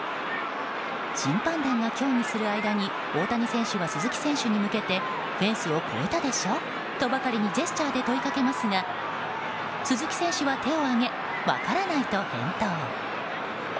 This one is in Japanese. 審判団が協議する間に大谷選手は鈴木選手に向けてフェンスを越えたでしょ？とばかりにジェスチャーで問いかけますが鈴木選手は手を上げ分からないと返答。